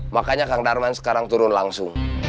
makanya kang darman sekarang turun langsung